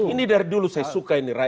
ini dari dulu saya suka ini